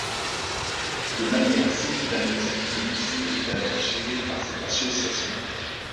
De manière simultanée, le musée est alors géré par cette association.